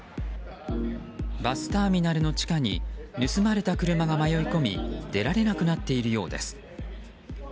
バスターミナルの地下に盗まれた車が迷い込み出られなくなっているようです。